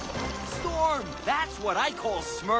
ストーム